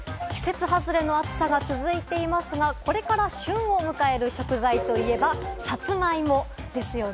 季節外れの暑さが続いていますが、これから旬を迎える食材といえば、さつまいもですよね。